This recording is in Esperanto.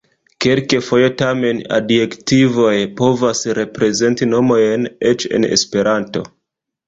Kelkfoje tamen adjektivoj povas reprezenti nomojn, eĉ en Esperanto.